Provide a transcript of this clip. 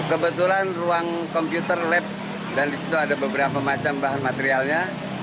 kebetulan ruang komputer lab dan di situ ada beberapa macam bahan materialnya